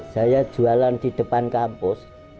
saya jualan di depan kampus